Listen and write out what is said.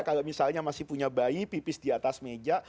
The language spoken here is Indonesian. kalau misalnya masih punya bayi pipis di atas meja